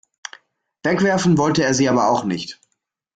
Wegwerfen wollte er sie aber auch nicht.